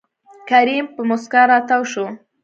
کريم په موسکا راتاو شو.